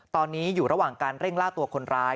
ตอนนี้อยู่ระหว่างการเร่งล่าตัวคนร้าย